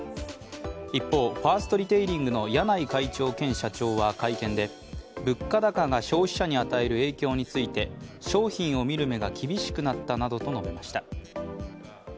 一方、ファーストリテイリングの柳井会長兼社長は会見で物価高が消費者に与える影響について商品を見る目が厳しくなったなどと述べました。